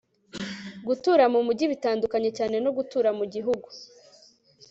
gutura mumujyi bitandukanye cyane no gutura mugihugu